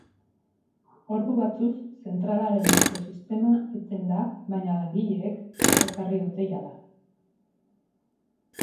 Ordu batzuz zentralaren hozte sistema eten da baina langileek berrezarri dute jada.